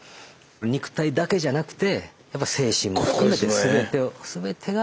肉体だけじゃなくてやっぱ精神も含めてすべてがはい。